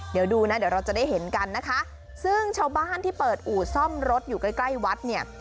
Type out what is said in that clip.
เดี๋ยวดูนะเดี๋ยวเราจะได้เห็นกันนะคะซึ่งชาวบ้านที่เปิดอู่ซ่อมรถอยู่ใกล้ใกล้วัดเนี่ย